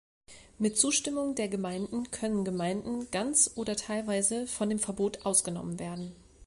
Mit Zustimmung der Gemeinden können Gemeinden ganz oder teilweise von dem Verbot ausgenommen werden.